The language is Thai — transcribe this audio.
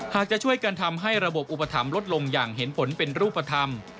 จะช่วยกันทำให้ระบบอุปถัมภ์ลดลงอย่างเห็นผลเป็นรูปธรรม